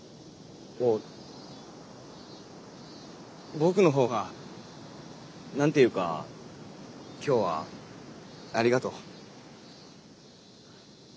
僕の方が何て言うか今日はありがとう。